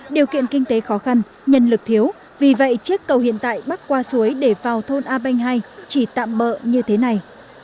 điều kiện kinh tế khó khăn nhân lực thiếu vì vậy chiếc cầu hiện tại bắt qua suối để vào thôn a banh hai chỉ tạm bỡ như thế này